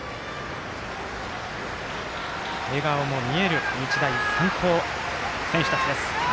笑顔も見える日大三高の選手たちです。